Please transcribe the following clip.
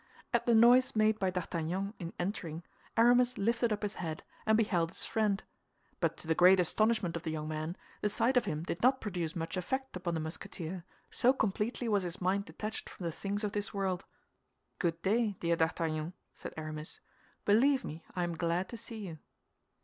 At the noise made by D'Artagnan in entering, Aramis lifted up his head, and beheld his friend; but to the great astonishment of the young man, the sight of him did not produce much effect upon the Musketeer, so completely was his mind detached from the things of this world. "Good day, dear D'Artagnan," said Aramis; "believe me, I am glad to see you."